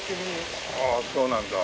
ああそうなんだ。